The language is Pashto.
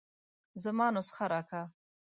زما نسخه راکه.